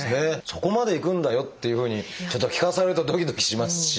そこまでいくんだよっていうふうに聞かされるとドキドキしますし。